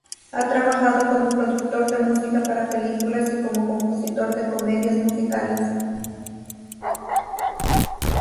Ha trabajado como productor de música para películas y como compositor de comedias musicales.